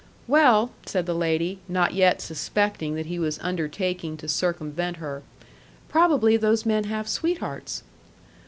"Well," said the lady, not yet suspecting that he was undertaking to circumvent her, "probably those men have sweethearts."